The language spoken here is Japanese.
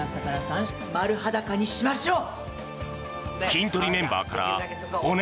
丸裸にしましょう。